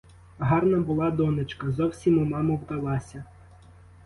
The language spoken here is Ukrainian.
Гарна була донечка, зовсім у маму вдалася.